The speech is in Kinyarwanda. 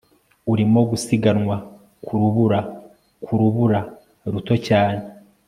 Urimo gusiganwa ku rubura ku rubura ruto cyane